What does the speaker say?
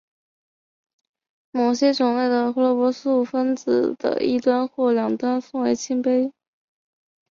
某些种类的胡萝卜素的分子的一端或两端为烃环。